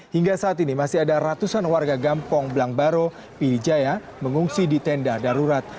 hingga saat ini masih ada ratusan warga gampong belangbaro pidijaya mengungsi di tenda darurat